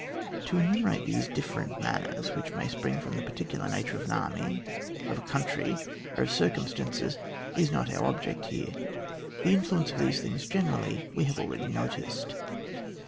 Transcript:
To enumerate these different manners which may spring from the particular nature of an army, of a country, or of circumstances, is not our object here; the influence of these things generally we have already noticed.